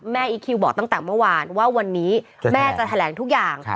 อีคคิวบอกตั้งแต่เมื่อวานว่าวันนี้แม่จะแถลงทุกอย่าง